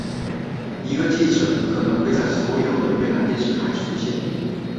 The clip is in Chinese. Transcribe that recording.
一个记者可能会在所有的越南电视台出现。